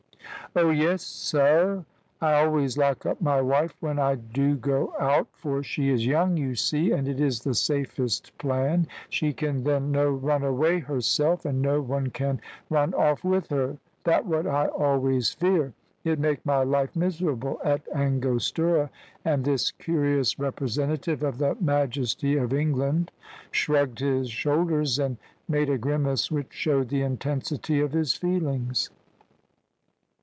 "Oh yes, sare, I always lock up my wife when I do go out, for she is young, you see, and it is the safest plan; she can then no run away herself, and no one can run off with her that what I always fear. It make my life miserable at Angostura;" and this curious representative of the "majesty of England" shrugged his shoulders and made a grimace which showed the intensity of his feelings.